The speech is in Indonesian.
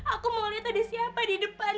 aku mau lihat ada siapa di depan